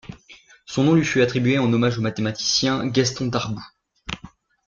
Son nom lui fut attribué en hommage au mathématicien Gaston Darboux.